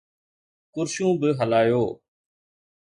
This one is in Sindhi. ڪرسيون به ھلايو.